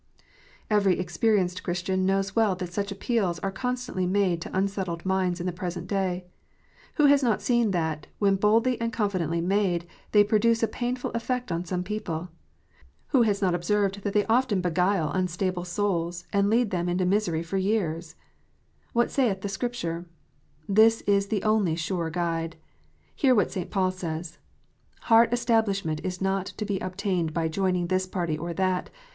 Every experienced Christian knows well that such appeals are constantly made to unsettled minds in the present day. Who has not seen that, when boldly and confidently made, they produce a painful effect on some people ? Who has not observed that they often beguile unstable souls, and lead them into misery for years 1 " What saith the Scripture ?" This is the only sure guide. Hear what St. Paul says. Heart establishment is not to be obtained by joining this party or that.